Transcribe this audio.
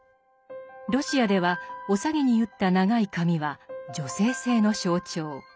ロシアではお下げに結った長い髪は女性性の象徴。